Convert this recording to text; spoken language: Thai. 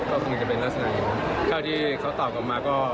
ก็คงจะเป็นลักษณะอย่างนั้นเท่าที่เขาตอบกลับมาก็